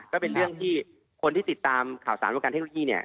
ก็เป็นเรื่องที่คนที่ติดตามข่าวสารวงการเทคโนโลยีเนี่ย